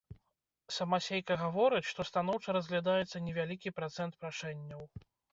Самасейка гаворыць, што станоўча разглядаецца невялікі працэнт прашэнняў.